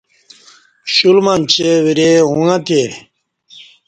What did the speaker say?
کشل منچے وری ا ݩگہ تے